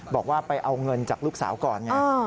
บอกว่าไปเอาเงินจากลูกสาวก่อนไง